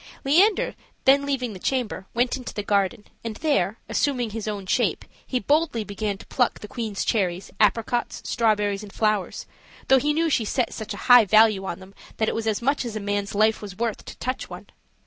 Leander, then leaving the chamber, went into the garden, and there, assuming his own shape, he boldly began to pluck the queen's cherries, apricots, strawberries, and flowers, though he knew she set such a high value on them that it was as much as a man's life was worth to touch one.